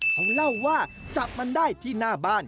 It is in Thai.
เขาเล่าว่าจับมันได้ที่หน้าบ้าน